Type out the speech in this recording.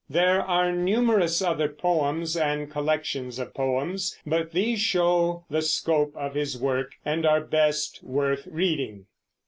There are numerous other poems and collections of poems, but these show the scope of his work and are best worth reading.